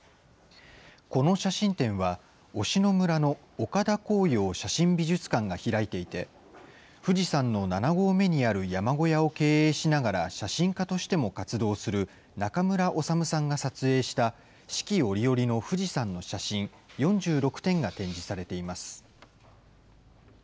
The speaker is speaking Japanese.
この写真展は、忍野村の岡田紅陽写真美術館が開いていて、富士山の７合目にある山小屋を経営しながら写真家としても活動する中村修さんが撮影した四季折々の富士山の写真、４６点が展示されています。